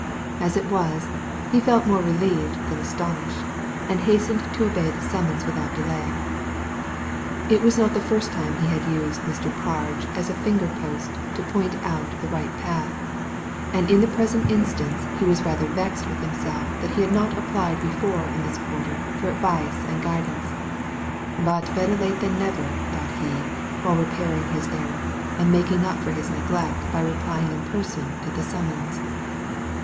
As it was, he felt more relieved than astonished, and hastened to obey the summons with out delay. It was not the first time he had used Mr. Parge as a finger post to point out the right path, and in the present instance he was rather vexed with himself that he had not applied before in this quarter for advice and guidance. But better late than never, thought he, while repairing his error, and making up for his neglect by replying in person to the summons.